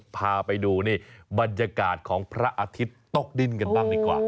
พาไปดูนี่บรรยากาศของพระอาทิตย์ตกดิ้นกันบ้างดีกว่า